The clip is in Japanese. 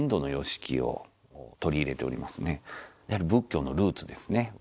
やはり仏教のルーツですね